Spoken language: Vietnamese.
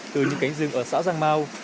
từ những cánh rừng ở xã giang mau